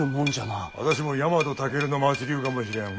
私もヤマトタケルの末流かもしれん。